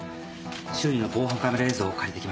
周囲の防犯カメラ映像を借りてきましたよ。